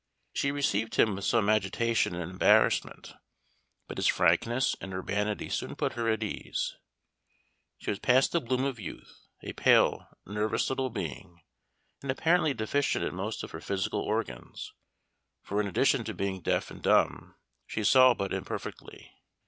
She received him with some agitation and embarrassment, but his frankness and urbanity soon put her at her ease. She was past the bloom of youth, a pale, nervous little being, and apparently deficient in most of her physical organs, for in addition to being deaf and dumb, she saw but imperfectly.